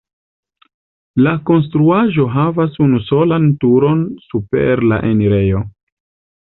La konstruaĵo havas unusolan turon super la enirejo.